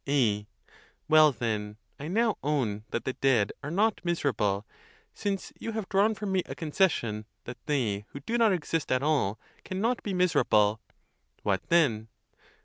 ; A. Well, then, I now own that the dead are not miser able, since you have drawn from me a concession that they who do not exist at all can not be miserable. What then?